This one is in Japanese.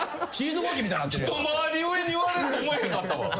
一回り上に言われると思えへんかったわ。